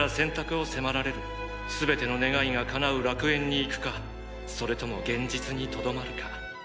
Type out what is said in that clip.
全ての願いが叶う楽園に行くかそれとも現実に留まるか。